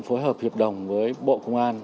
phối hợp hiệp đồng với bộ công an